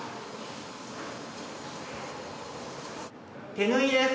手縫いです。